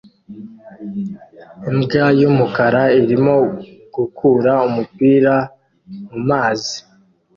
Imbwa y'umukara irimo gukura umupira mumazi